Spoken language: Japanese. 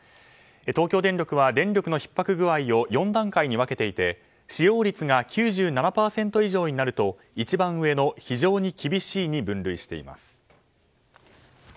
東京電力は電力のひっ迫具合を４段階に分けていて使用率が９７％以上になると一番上の非常に厳しいに分類しています。